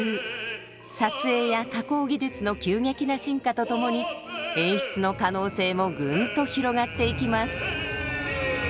撮影や加工技術の急激な進化とともに演出の可能性もぐんと広がっていきます。